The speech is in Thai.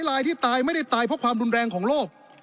ลายที่ตายไม่ได้ตายเพราะความรุนแรงของโรค